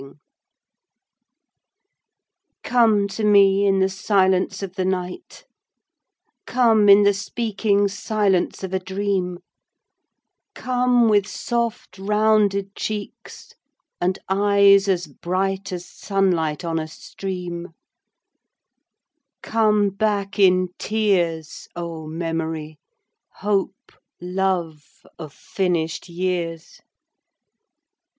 ECHO. Come to me in the silence of the night; Come in the speaking silence of a dream; Come with soft rounded cheeks and eyes as bright As sunlight on a stream; Come back in tears, O memory, hope, love of finished years.